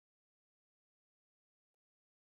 د کډوالو کمیشنري فرعي رکن دی.